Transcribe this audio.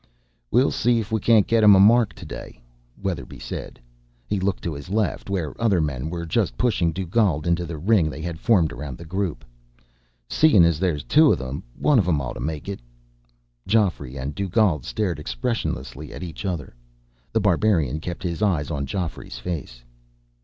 "We'll see if he can get him a mark today," Weatherby said. He looked to his left, where other men were just pushing Dugald into the ring they had formed around the group. "Seein' as there's two of them, one of 'em ought to make it." Geoffrey and Dugald stared expressionlessly at each other. The Barbarian kept his eyes on Geoffrey's face.